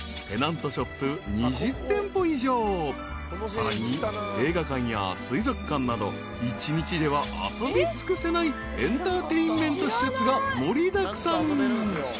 ［さらに映画館や水族館など一日では遊び尽くせないエンターテインメント施設が盛りだくさん］